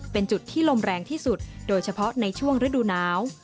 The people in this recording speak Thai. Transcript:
เป็นจุดที่ลมแรงที่สุดโดยเฉพาะในช่วงฤดูหนาว